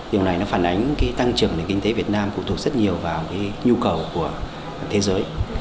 điều này nó phản ánh tăng trưởng nền kinh tế việt nam phụ thuộc rất nhiều vào cái nhu cầu của thế giới